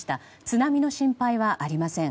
津波の心配はありません。